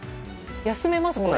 休めます？